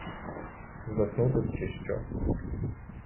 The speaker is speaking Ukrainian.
Заснути б, чи що?